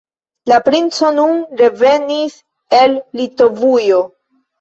La princo nun revenis el Litovujo.